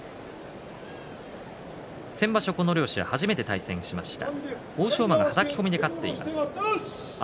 先場所、この両者初めて対戦しました。